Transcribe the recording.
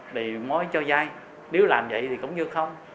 thì nói cho dài nếu làm vậy thì cũng như không